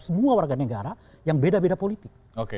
semua warga negara yang beda beda politik